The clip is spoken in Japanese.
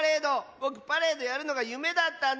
ぼくパレードやるのがゆめだったんだ！